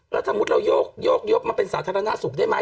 แล้วสมมุติเราโยกยกมาเป็นสาธารณสุขได้ไหม